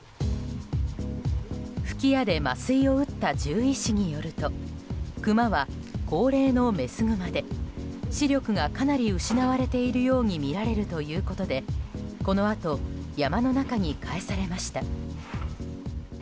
吹き矢で麻酔を撃った獣医師によるとクマは高齢のメスグマで視力がかなり失われているようにみられるということでこのあと、山の中に返されました。